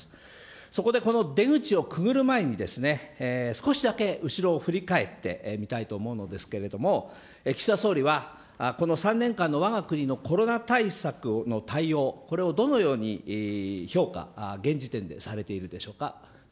そこでこの出口をくぐる前に、少しだけ後ろを振り返ってみたいと思うのですけれども、岸田総理はこの３年間のわが国のコロナ対策の対応、これをどのように評価、現時点でされているんでしょうか。